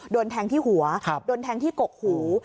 โดนแทงที่หัวโดนแทงที่กกหู